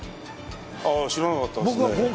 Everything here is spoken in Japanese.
知らなかったですね。